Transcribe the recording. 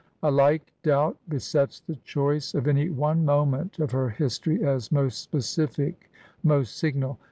A like doubt besets the choice of any one moment of her history as most specific, most signal.